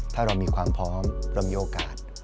ถ้าเรามีความพร้อมเรามีโอกาส